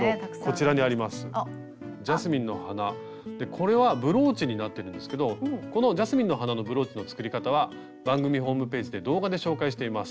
これはブローチになってるんですけどこの「ジャスミンの花のブローチ」の作り方は番組ホームページで動画で紹介しています。